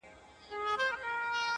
o زه پور غواړم، ته نور غواړې!